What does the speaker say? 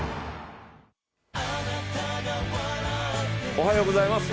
おはようございます。